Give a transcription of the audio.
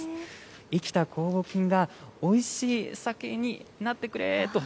生きた酵母菌がおいしい酒になってくれと。